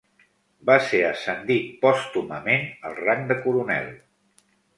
Va ser ascendit pòstumament al rang de coronel.